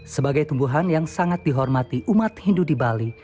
sebagai tumbuhan yang sangat dihormati umat hindu di bali